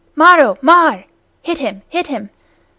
Maro! Mar! (Hit him, hit him!)